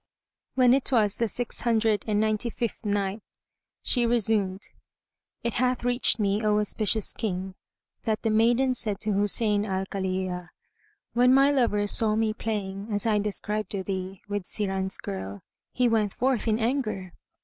When it was the Six Hundred and Ninety fifth Night, She resumed, It hath reached me, O auspicious King, that the maiden said to Husayn al Khali'a, "When my lover saw me playing, as I described to thee, with Siran's girl, he went forth in anger.